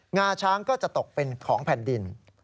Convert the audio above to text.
งาช้างก็จะตอบเป็นยินดิน